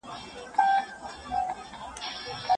تن د بل پر ولات اوسي روح مي ګران افغانستان دی